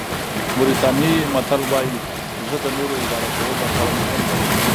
موریتاني متل وایي زړه د نورو اداره کولو لپاره مهم دی.